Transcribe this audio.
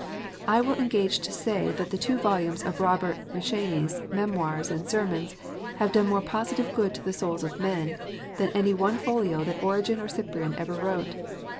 I will engage to say that the two volumes of Robert M Cheyne s Memoirs and Sermons have done more positive good to the souls of men, than any one folio that Origen or Cyprian ever wrote.